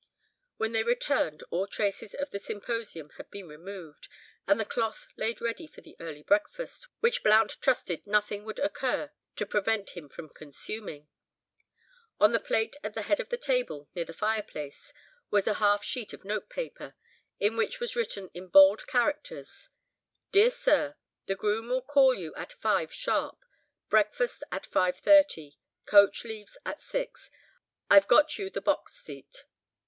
When they returned all traces of the symposium had been removed, and the cloth laid ready for the early breakfast, which Blount trusted nothing would occur to prevent him from consuming. On the plate at the head of the table, near the fire place, was a half sheet of notepaper, on which was written in bold characters: "DEAR SIR,—The groom will call you at five sharp, breakfast at 5.30. Coach leaves at six. I've got you the box seat.